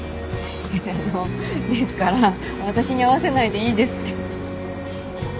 あのうですから私に合わせないでいいですって。